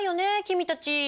君たち。